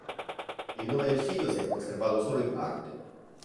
Il nome del figlio si è conservato solo in parte.